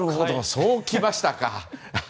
そう、きましたか。